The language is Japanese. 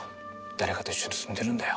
誰かと一緒に住んでるんだよ。